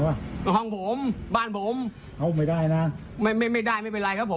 ห้องผมบ้านผมเอาไม่ได้นะไม่ไม่ไม่ได้ไม่เป็นไรครับผม